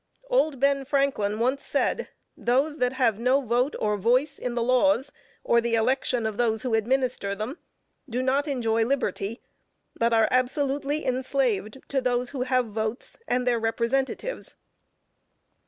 Old Ben Franklin once said, "those that have no vote or voice in the laws, or the election of those who administer them, do not enjoy liberty, but are absolutely enslaved to those who have votes, and their representatives."